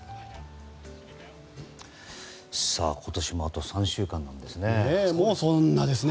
今年もあと３週間なんですね。